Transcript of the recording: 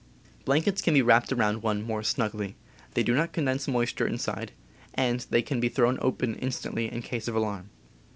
Blankets can be wrapped around one more snugly, they do not condense moisture inside, and they can be thrown open instantly in case of alarm.